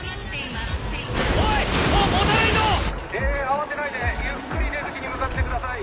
慌てないでゆっくり出口に向かってください。